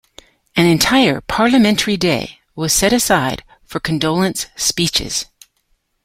An entire parliamentary day was set aside for condolence speeches.